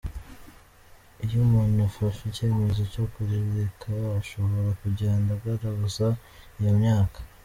Iyo umuntu afashe icyemezo cyo kurireka ashobora kugenda agaruza iyo myaka.